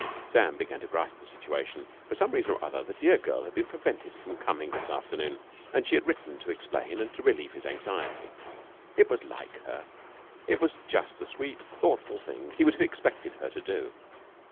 Sam began to grasp the situation. For some reason or other, the dear girl had been prevented from coming this afternoon, and she had written to explain and to relieve his anxiety. It was like her. It was just the sweet, thoughtful thing he would have expected her to do.